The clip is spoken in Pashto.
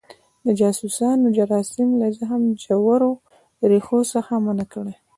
د جاسوسانو جراثیم له زخم ژورو ریښو څخه منع کړي.